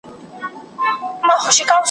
د لېوه بچی آخر د پلار په خوی سي !.